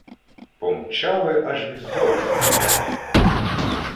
Помчали, аж візок скрипить!